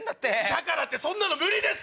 だからってそんなの無理です！